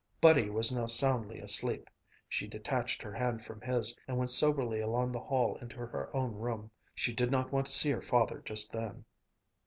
Buddy was now soundly asleep: she detached her hand from his, and went soberly along the hall into her own room. She did not want to see her father just then.